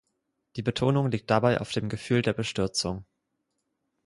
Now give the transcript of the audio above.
Die Betonung liegt dabei auf dem Gefühl der Bestürzung.